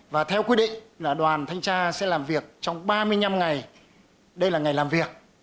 và theo quy định là đoàn thanh tra sẽ làm việc trong ba mươi năm ngày đây là ngày làm việc